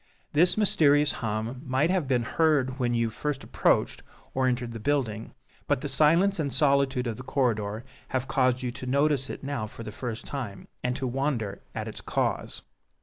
This mysterious hum might have been heard when you first approached or entered the building; but the silence and solitude of the corridor have caused you to notice it now for the first time, and to wonder at its cause.